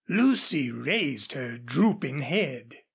Lucy raised her drooping head.